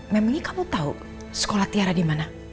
memangnya kamu tau sekolah tiara di mana